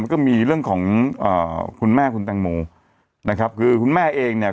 ก็มีเรื่องของอ่าคุณแม่คุณแตงโมนะครับคือคุณแม่เองเนี่ย